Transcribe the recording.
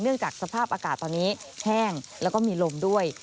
จากสภาพอากาศตอนนี้แห้งแล้วก็มีลมด้วย